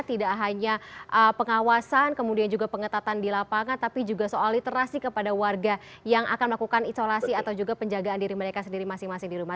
tidak hanya pengawasan kemudian juga pengetatan di lapangan tapi juga soal literasi kepada warga yang akan melakukan isolasi atau juga penjagaan diri mereka sendiri masing masing di rumah